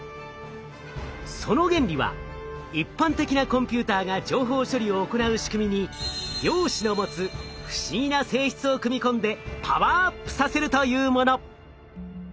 その原理は一般的なコンピューターが情報処理を行う仕組みに量子の持つ不思議な性質を組み込んでパワーアップさせるというもの。